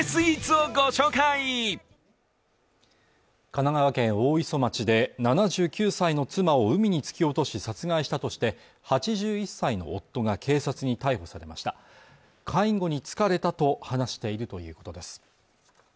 神奈川県大磯町で７９歳の妻を海に突き落とし殺害したとして８１歳の夫が警察に逮捕されました介護に疲れたと話しているということです